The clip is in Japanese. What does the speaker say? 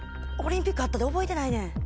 オリンピックあったんで覚えてないねん。